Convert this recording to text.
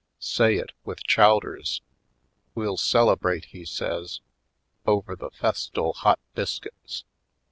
Say it with chowders! We'll celebrate," he says, "over the festal hot biscuits!